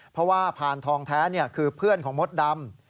เพราะว่าพานทองแท้คือเพื่อนของมดดำ